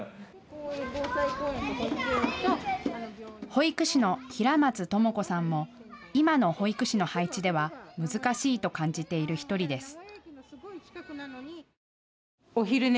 保育士の平松知子さんも今の保育士の配置では難しいと感じている１人です。